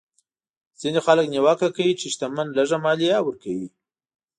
ځینې خلک نیوکه کوي چې شتمن لږه مالیه ورکوي.